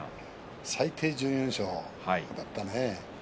最低１４勝だったね。